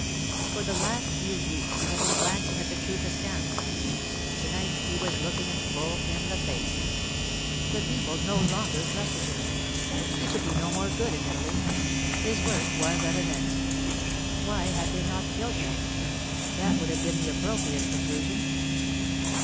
For the last few weeks he had been glancing at the truth askance. To night he was looking it full in the face. The people no longer trusted him; he could do no more good in Italy; his work was at an end. Why had they not killed him? That would have been the appropriate conclusion.